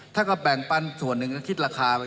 ถ้าก็แบ่งปันส่วนหนึ่งก็คิดราคาไว้